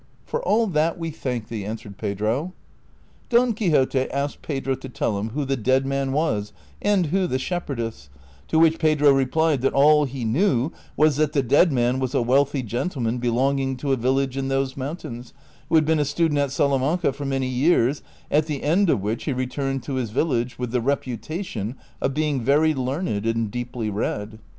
" For all that, we thank thee," answered Pedro. Don Quixote asked Pedro to tell him who the dead man was and who the shepherdess, to which Pedro replied that all he knew was that the dead man was a Avealthy gentleman belong ing to a village in those moiuitains, who had been a student at Salamanca for many years, at the end of which he returned to his village with the reputation of being very learned and deeply read.